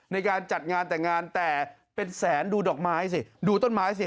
ในการจัดงานแต่งงานแต่เป็นแสนดูดอกไม้สิดูต้นไม้สิ